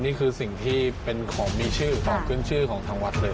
นี่คือสิ่งที่เป็นของมีชื่อของขึ้นชื่อของทางวัดเลย